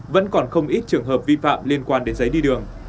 vẫn còn không ít trường hợp vi phạm liên quan đến giấy đi đường